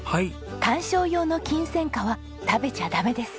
観賞用のキンセンカは食べちゃダメですよ。